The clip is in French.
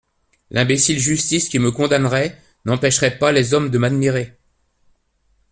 L’imbécile justice, qui me condamnerait, n’empêcherait pas les hommes de m’admirer.